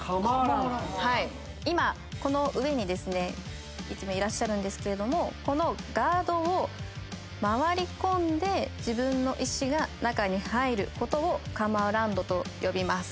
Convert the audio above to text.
今この上にですね１名いらっしゃるんですけれどもこのガードを回り込んで自分の石が中に入ることをカムアラウンドと呼びます。